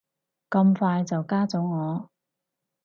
咁快就加咗我